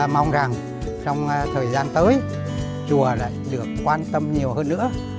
mong rằng trong thời gian tới chùa lại được quan tâm nhiều hơn nữa